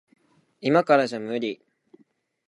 いまからじゃ無理。